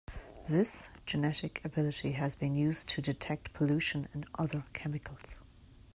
This genetic ability has been used to detect pollution and other chemicals.